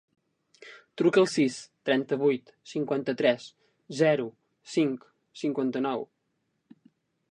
Truca al sis, trenta-vuit, cinquanta-tres, zero, cinc, cinquanta-nou.